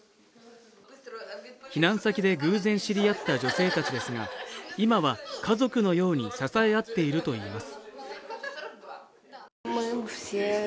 避難先で偶然知り合った女性たちですが今は家族のように支え合っているといいます